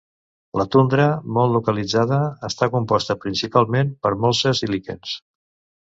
La tundra, molt localitzada, està composta principalment per molses i líquens.